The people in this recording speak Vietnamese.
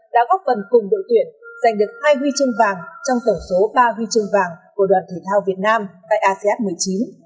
đã góp phần cùng đội tuyển giành được hai huy chương vàng trong tổng số ba huy chương vàng của đoàn thể thao việt nam tại asean một mươi chín